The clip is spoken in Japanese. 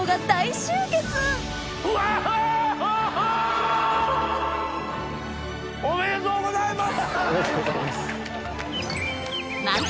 ハハ！おめでとうございます。